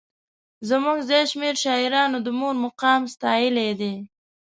زموږ زیات شمېر شاعرانو د مور مقام ستایلی دی.